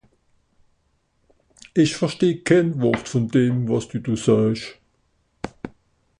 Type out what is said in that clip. Ìch versteh kenn Wort vùn dem, wàs dü do saasch.